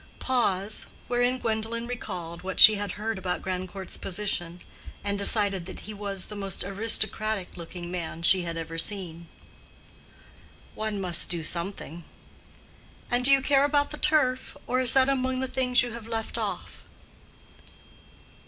(Pause, wherein Gwendolen recalled what she had heard about Grandcourt's position, and decided that he was the most aristocratic looking man she had ever seen.) "One must do something." "And do you care about the turf?—or is that among the things you have left off?"